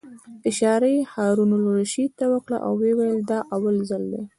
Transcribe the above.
اشاره یې هارون الرشید ته وکړه او ویې ویل: دا اول ځل دی.